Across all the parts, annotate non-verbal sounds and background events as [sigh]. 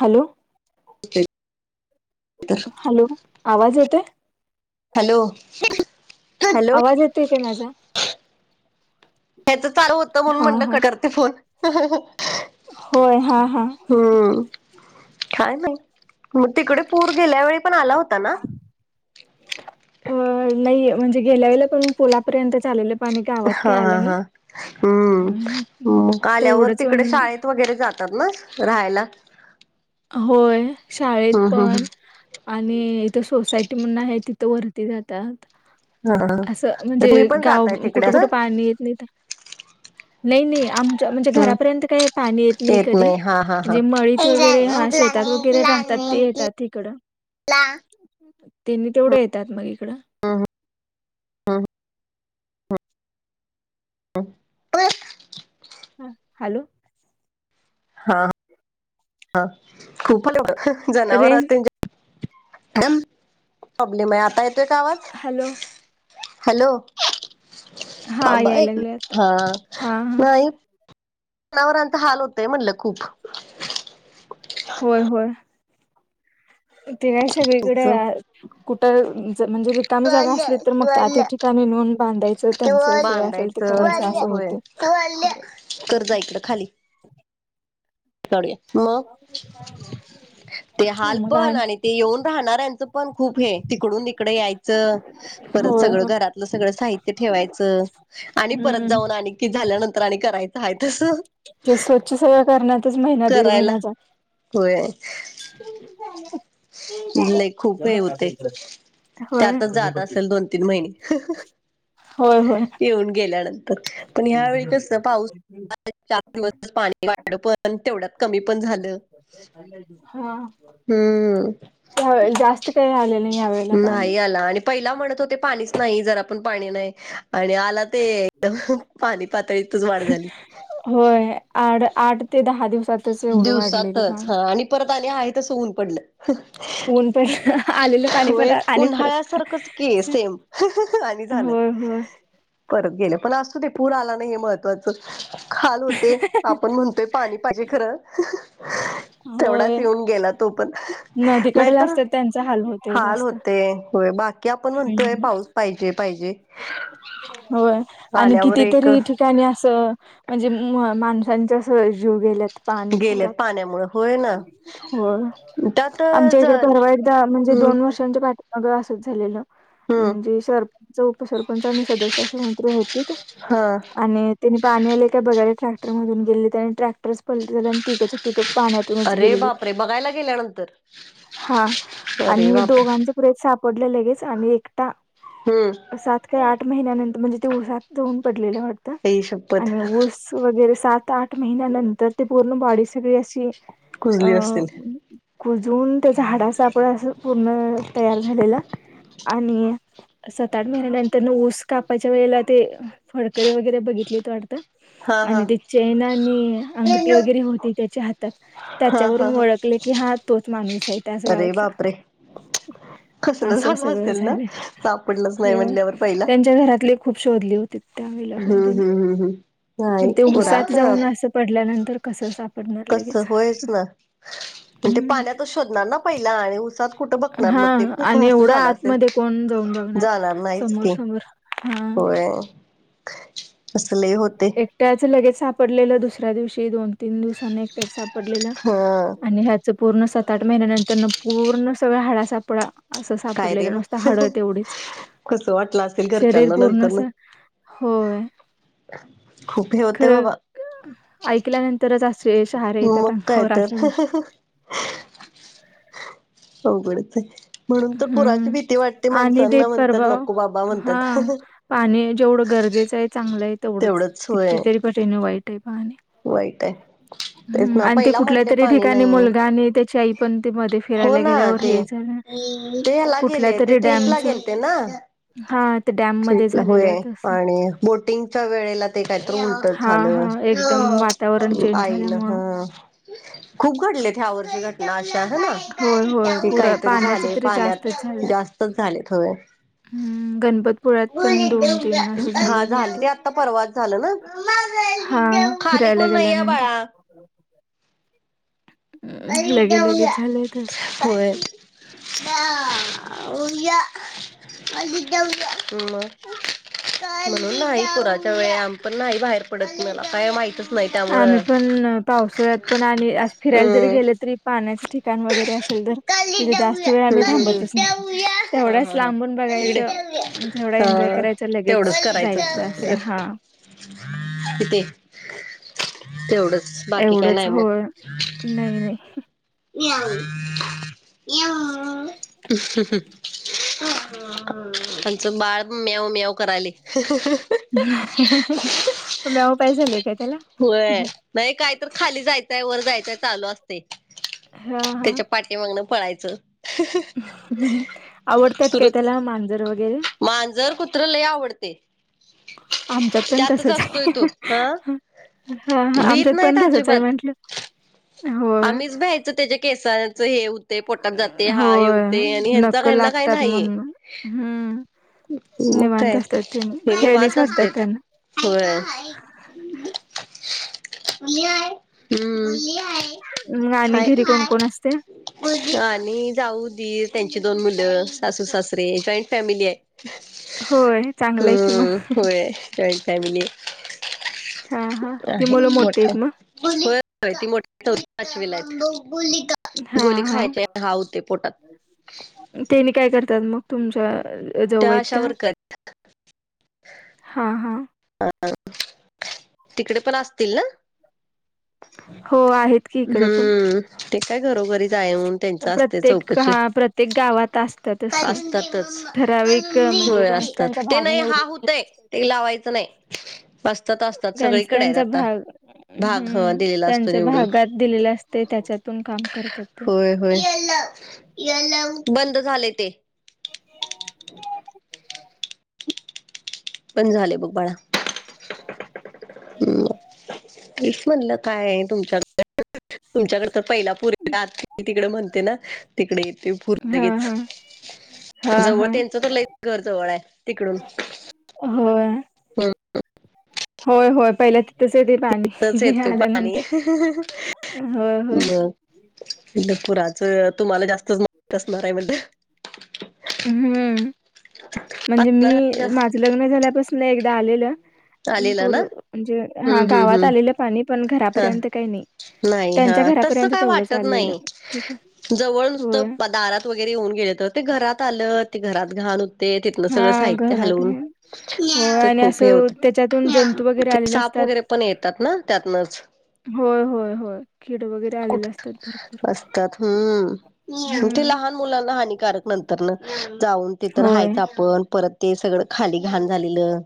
Hello hello आवाज येतोय hello ह्याच आवाज येतोय काय माझा हेच चालू होतं म्हणून हा म्हणलं हा कट करते फोन होय हा हा हम्म काय नाही मग तिकडे पूर गेल्या वेळी पण आला होता ना अ नाही म्हणजे गेल्या वेला पण पोलापर्यंत चालेलं हा हा हा अम हम्म म आल्यावर तेवढंच तिकडे येऊन शाळेत वगैरे जात ात ना राहायला होय शाळेत हम्म हम्म पण हम्म आणि इथं सोसायटी म्हणून आहे तिथं वरती जातात हा हा. असं म्हणजे तुम्ही पण गाव जाताय तिकडे कुठं असं कुठं पाणी येत नाही तर नाही नाही आमच्या म्हणजे हम्म घरापर्यंत काही पाणी येत नाही कधी हा हा हा. म्हणजे मळीत वगैरे ह शेतात वगैरे राहतात ते येतात हिकड तिनी तेवढ् येतात मग इकडं हम ते ह हॅलो हा खूप जनावर रेंज म प्रॉब्लेम आहे आता येतोय कावात हॅलो हॅलो हा थांबा यायला एक लागले आता हा हा हा नाहीय नावरांचा हाल होतय म्हणलं खूप होय होय तेव्हा सगळीकडे कुठ म्हणजे रिकामी जागा असली तर मग त्या त्या ठिकाणी नेून बांधायचं त्यांच सोय असेल ते भांडायचं करायचं असं होय होते कर जायच खाली चा [inaudible] ते हाल पण आणि ते येऊन राहणाऱ्यांचं पण खूप हे तिकडून तिकडं यायचं परत होय सगळं हो घरातलं सगळं साहित्य ठेवायचं आणि परत हम्म जाऊन आनिक कि झाल्यानंतर आणि करायचं आहे तस. ची सेवा करण्यातच महिना दीड महिन्याचा होय लय खूप ना हे आता होते इकडें त्यातच जात असेल दोन तीन महिने होय होय येऊन गेल्यानंतर पण ह्यावेळी कस पाऊस चार दिवस पाणी वाढ पण तेवढ्यात कमी पण झालं. हा हम्म त्यावे जास्त काही आले नाही यावेेळेला पाणी नाही आला आणि पहिला म्हणत होते पाणीच नाही जर आपण पाणी नाही आणि आला ते एकदम पाणी पातळीतच वाढ झाली. होय आ आठ ते दहा दिवस दिवसातच हा आणि परत आणि आहेतस ऊन पडलं. ऊन पण आलेलं पाणी पण होय आणि परत उन्हाळ्यासारखंच के सेम आणि झालं होय होय परत गेलं पण असतू ते पूर आला ना हे महत्त्वाचं खाल होते आपण म्हणतोय पाणी पाहिजे खरं होय तेवढाच येऊन गेला तो पण. नदीकडला नाहीतर असतात त्यांचा हाल होतोय हाल जास्त होते हो बाकी की आपण म्हणतोय हम्म पाऊस पाहिजे पाहिजे. होय आणि आल्यावर एक कितीतरी ठिकाणी अस म्हणजे माणसांच्या जीव गेल्या. गेलेत पाण्यामुळ हो आमच्या इकडे जल परवा एकदा म्हणजे हम्म दोन वर्ष च्या पाठीमागं असच झालेलं. हम्म म्हणजे सरपंच उपसरपंच आणि सदस्य असे म्रि होते हा आणि त्यांनी पाणी आले काय बघायला ट्रॅक्टर मधून गेले आणि ट्रॅक्टर पलट झालं आणि तिघच्या तिघ पाण्यात हा च अरे गेली बापरे बघायला गेल्यानंतर हा अरे आणि बापरे दोघांच पुरेच सापडले लगेच आणि एकटा हम्म सात काही आठ महिन्यानंतर म्हणजे ते ऊसात जाऊन पडलेलं वाटतं आई शपथ आणि ऊस वगैरे सात आठ महिन्यानंतर ते पूर्ण बॉडी सगळी अशी अ कुजली असतील कुजून त्या झाडा सा आपड असं पूर्ण तयार झालेलं आणि सात आठ महिन्या नंतर न ऊस कापाच्या वेळेला ते फडकरीे वगैरे बघितलेत वाटतं. हा हा आणि ते चैन आणि अंगठी वगैरे हा होती त्याच्या हात. हा त्याच्यावरून हा ओळखले की हा तोच माणूस आहे त्याच अरे गावातला बापरे कसलं असं झालं सगळं असेल ना झाले सापडलंच नाही हो म्हणल्यावर पहिला त्यां त्या घरातले खूप शोधली. हम्म हम्म हम्म हम्म. मग नाही ते उसात पुरात जाऊन असं पडल्यानंतर कसं सापडणार लगेच. पण ते हम्म पाण्यात शोधणार ना पहिला आणि उसात कुठं बघणार हा मग ते आणि असं एवढं झालं. आतमध्ये कोण जाऊन बघणार जाणार नाहीच समोर की समोर हा होय. असले होते. त्याच लगेच सापडलेलं दुसऱ्या दिवशी दोन तीन दिवसांनी एकट्याच सापडलेलं हा. आणि पूर्ण सात आठ महिन्यानंतर पूर्ण सगळा हंडा सापळा असं काय रे सापडलेलं बा नुसतं हाडं तेवढीच कसं वाटलं असेल शरीर घरच्यांना पूर्ण नंतर अस. न होय खूप हे होते खरं बाबा. ऐकल्यानंतरच असे शहारे येतात मग काय अंगावर तर अशा गोष्टी अवघड च हाय. म्हणून तर पुराची हम्म. भीती वाटते आणि ते माणसांना म्हणतात परवा नको बाबा हां, म्हणतात. पाणी जेवढं गरजेचं आहे चांगलं आहे तेवढंच किती तरी पटिन वाईट आहे पाणी. वाईट आय. ह् आणि ते कुठल्या तरी ठिकाणी मुलगा आणि त्याची आई पण ते मध्ये हो फिरायला ना गेल्यावर ते हे झालं. ते हेला गेले ते कुठल्यातरी ट्रीपला डॅमचं गेलते ना? हां, ते डॅममध्ये ट्रीपला होय झालेलं तसं. आणि बोटिंगच्या वेळेला ते काय उलटच हां, झालं हां एकदम वातावरण चेंज आई न झाल्यामुळं. हा खूप घडल्यात ह्यावर्षी घटना अशा हनी. होय, होय ते पुरा काहीतरी पाण्याचं झालय तरी जास्तच पाण्यात झालं. जास्तच झालेत होय. हम्म गणपतपुळयात पण दोन तीन असं हा झालेत झाले वाटतं. ते आता परवात झालं ना? हां, खाली फिरायला कोण नाहीयाय गेल्यानंतर बाळा. अं, आई दाऊया. लगे-लगेच झालंय तसं. होय. दा. [unintelligible] मग म्हणून नाही पुराच्या वेळे आम्ही पण नाही बाहेर पडत मला काय माहितच नाही त्यामुळ आम्ही पण अ, पावसाळ्यात पण आणि असं फिरायला जरी हम्म. गेले तरी पाण्याचे ठिकाण वगैरे असेल तर गल्लीत तिथ जास्त जाऊया. वेळ आम्ही गल्लीत थांबतच नाही जाऊया. हा तेवढंच हा हा. लांबून इकडे बघायचं तेवढं एन्जॉय हा करायचं च लगेच तेवढंच जायचं असं करायचं. हा. [unintelligible] तेवढंच. बाकी काय एवढंच नाही होय नाही नाही. म्यावू म्यावू‌ आमचं बाळ म्याव म्याव करालय म्याव पाहेजेल हाय काय त्याला होय. नाही काय तर खाली जायचंय वर जायचंय चालू असतय. हा हा. पाटी मागण पळायचं आवडत्यात काय सुरूच. त्याला मांजर वगैरे मांजर कुत्र लय आवडतय. आमच्यात पण त्यातच तसच असतोय तो. हाय. हा हा हा भीत आमच्यात नाहीत पण तसच हाय अजिबात. म्हंटलं होय. ते त्याच्या केसांच हे होतय पोटात जातय हा हे होय होतय आणि ह्यांचा नक ह्यांना काही लागतात नाही. म्हणून हम्म मग निवांत काय असतात तेनी हे खेळणीच निवांत वाटत्यात असतेत. त्यांना. होय. [unintelligible] हम् मग आणि घरी कोण कोण असतय. आणि जाऊ दीर त्यांची दोन मुलं सासू सासरे जॉईंट फॅमिली आय. होय चांगलंय कि मग हम्म होय. Joint family. हा हा ती आहे मुलं मोठी मोठ. आहेत मग होय ती मोठी चौथी पाचवीला हाय. हा हा तेनी काय करतात मग? तुमच्या जाऊ आहेत आशा त्या वर्कर आहेत. हा हा ह तिकडे पण असतील ना. हो आहेत की इकडं पण हम्म ते काय घरोघरी जाऊन त्यांची असते प्रत्येक चौकशी हा प्रत्येक गावात असतातच ते असतातच ठराविक हो म्हणजे त्यांचा असतात त्यांचा ते भाग नाही हा होतय. तेल लावायचं नाही. असतात [inaudible] असतात त्यां सगळीकडे आहेत त्यांचा आता भाग भाग ह हम्म दिलेला असतो त्यांच्या निवडून भागात दिलेला असत. ते त्याच्यातून काम करतात ते होय होय बंद झाले ते- ह [inaudible] बंद झाले बघ बाळा [inaudible] तेच म्हणलं काय तुमच्या तुमच्याकडे तर पहिला पुर आ तिकडे म्हणते ना तिकडे येते. हा पुर्तगीच हा हा जवळ हा त्यांच तर लय घर जवळ आहे तिकडून होय होय होय पहिल्या तिथच येते पाणी च येतय पाणी आल्यानंतर होय म होय इ पुुराचं तुम्हाला जास्तच माहित असणार आहे म्हण. हम्म म्हणजे म्हणलं मी माझ लग्न झाल्यापासून एकदा आलेलं. आलेला ना पूर म्हणजे हा हम्म हम्म गावात हम्म आलेलं पाणी पण हा घरापर्यंत काही नाही. नाही हा त्यांच्या तस घरापर्यंत काय तेवढंच वाटत आलेलं नाही तिथे जवळ होय नुसतं दारात वगैरे येऊन गेले तर ते घरात आलं ते घरात घान. ते तिथन सगळं हा साहित्य हलवून घरात होय ते आणि खूप हे असं होत त्याच्यातून जंतू वगैरे आलेले साप असतात. वगैरे पण येतात ना त्यातनच होय होय होय कीड वगैरे कुठ आलेले असतात भरपूर असतात हम्म ते हम्म. लहान मुलांना हानिकारक नंतर जाऊन ते तर होय. रहायचं आपण परत ते सगळं खाली घाण झालेलं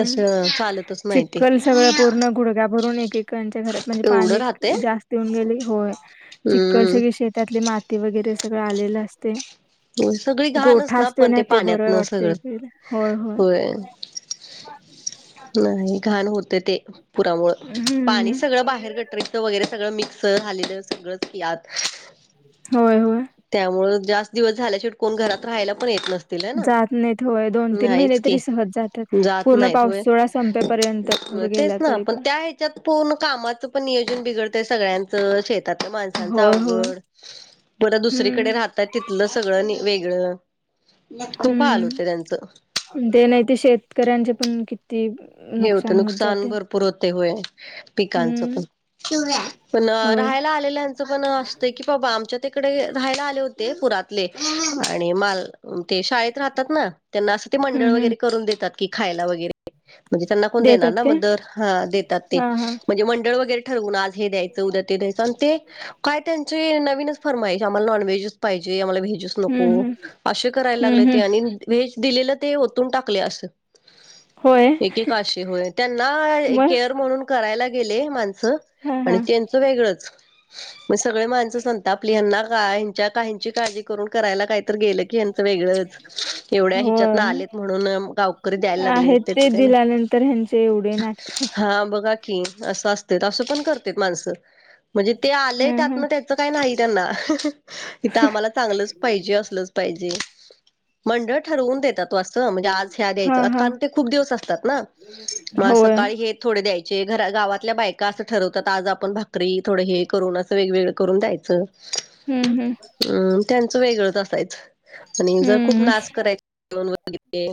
तस चालतच नाही ते चिक्कल सगळं पूर्ण गुडघ्या भरून एकेकांच्या घरात म्हणजे एवढं पाणी राहते जास्त येऊन गेली होय. चिककल सगळे हम्म शेतातली माती वगैरे सगळं आलेलं असते. हो सगळी घणच गोठा ना असतोय पण ते पाण्यात बरं न वाटतंय सगळं इकडे. होय होय. नाही घाण होते ते पुरामुळे हम्म पाणी सगळं बाहेर गटरीच वगैरे सगळं मिक्स झालेलं सगळंच आत होय होय त्यामुळे जास्त दिवस झाल्या शेवटी कोण घरात राहायला पण येत नसत. जात नही तोवहर दोन तीन महिने की तरी सहज जात्यात जात पूर्ण नाहीत होय पाऊसूळा तेच ना पण त्या ह्याच्यात पूर्ण कामाच पण नियोजन बिघडतंय सगळ्यां शेतातल्या माणसच होय होय अवघड बर हम्म दुसरीकडे राह तिथलं सगळं नी वेगळं खूप हाल हम्म. होते त्यांचं ते नाही ते शेतकऱ्यांचे पण किती हे होतं होत नुकसान जाते भरपू पूर होतंय व्हय पिकांचे हम्म पण होय राहायला. च पण असत की बाबा आमच्या तिकडे राहायला आले होते पुरातले आणि माल ते शाळेत राहतात ना त्यांना असं ते मंडळ हम्म हम्म वगैरे करून देतात की खायला वगैरे म्हणजे त्यांना कोण देणार देतात ना काय मग दर हा देतात ते हा हा म्हणजे मंडळ वगैरे ठरवून आज हे द्यायचं उदया ते द्यायचं अण ते काय त्यांचे नवीनच फरमाईस आम्हाला नॉनव्हेजच पाहिजे आम्हाला व्जच नको हम्म हम्म असे करायला लागले हम्म ते हम्म आणि व्हेज दिलेलं ते ओतून टाकले असंल होय एक एक आशे होय त्यांना मग केअर म्हणून करायला गेले माणसं हा आणि हा त्यांन वेगळच म्हण सगळे माणसं संतापली यांना काय त्या काहींची काळजी करून करायला काहीतर गेलं की अन वेगळंच एवढ्या हिच्यात ना होय आलेत म्हणून गावकरी द्यायला लागले आहेत ते काय नाही दिल्यानंतर ह्यांचे एवढे नाटकं हा बघा की असं असत असं पण करते माणसं म्हणजे ते हम्म आलेयेतात हम्म ना त्या काही नाही त्यांना इथ आम्हाला चांगलंच पाहिजे असलंच पाहिजे मंडळ ठरवून देतात तो अस म्हणजे आज हया हा दयाच हा करण् ते खुप दिवस असतात होय न हे थोडे द्यायचे घरा गावातल्या बायका असं ठरवतात आज आपण भाकरी थोड हे करून असं हे वेगवेगळ करून द्यायचं हम्म हम्म अम् त्यांचं वेगळंच असायचं आणि जर खूप हम्म नाच करायच वगैरे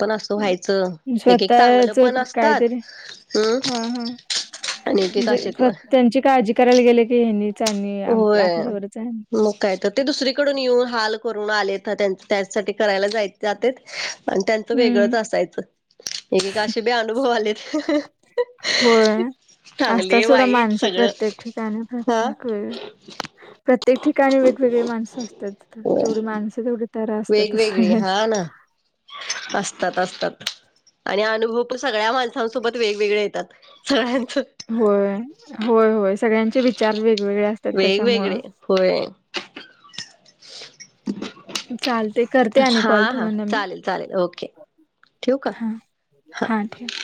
पण अस हम्म व्हायच एक एक चांगलं स्वतःच पण असतात काहीतरी हा हा एक एक म्हणजे काशि स्व कवा त्यांची काळजी करायला गेले की हेनीच आणि होय. आपल्यावरच आहे मग काय तर ते दुसरीकडून येऊन हाल करून आले न त्यासाठी करायलाय जाय जातेत आणि त्यांचं हम्म वेगळंच असायचं एकीक अशे बी अनुभव आलेत होय असता चांगले सुडा वाईट माणस सगळं प्रत्येक ठिकाणी हा प्रत्येक वेळी प्रत्येक ठिकाणी वेगवेगळी माणसं असतात जेवढी माणसं तेवढी तर असतात वेगवेगळी सगळ्यांची हा ना असतात असतात आणि अनुभव पण सगळ्या माणसांसोबत वेगवेगळे येतात सगळ्यांच होय होय होय सगळ्यांचे विचार वेगवेगळे असतात त्याच्यामुळं वेगवेगळे होय चालते करते आणि हा कॉल हा तुम्हाला मी चालेल चालेल ओके ठेवू का हा हा ठेव